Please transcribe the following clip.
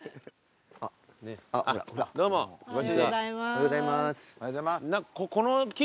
おはようございます。